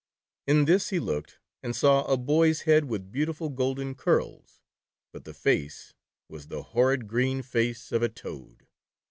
In this he looked, and saw — a boy's head with beautiful golden curls, but the /ace, was the horrid green face of a toad